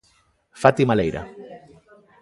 Fátima Leira.